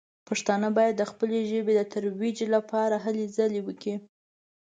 پښتانه باید د خپلې ژبې د ترویج لپاره هلې ځلې وکړي.